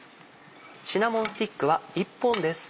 シナモンスティックは１本です。